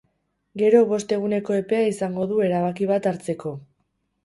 Gero bost eguneko epea izango du erabaki bat hartzeko.